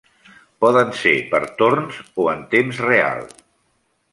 Poden ser per torns o en temps real.